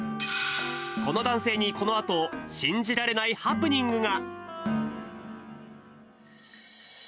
この男性にこのあと、信じられないハプニングが。